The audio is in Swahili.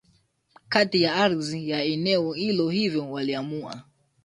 katika ardhi ya eneo hilo Hivyo waliamua